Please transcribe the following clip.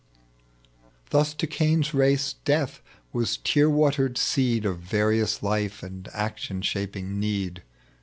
Thns to Cain's race death was tear watered seed Of various life and aetion shaping need.